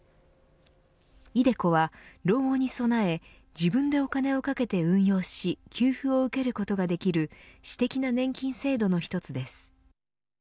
ｉＤｅＣｏは、老後に備え自分でお金をかけて運用し給付を受けることができる私的な年金制度の１つです。